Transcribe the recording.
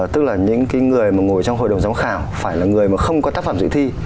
tức là những người mà ngồi trong hội đồng giám khảo phải là người mà không có tác phẩm dự thi